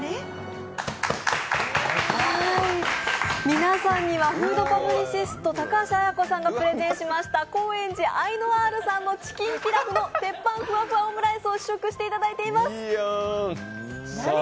皆さんにはフードパブリシスト、高橋綾子さんのプレゼンしました高円寺・アイノワールのチキンピラフの鉄板ふわふわオムライスを試食していただいています。